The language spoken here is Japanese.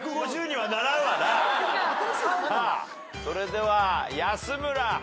それでは安村。